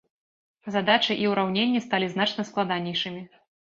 Задачы і ўраўненні сталі значна складанейшымі.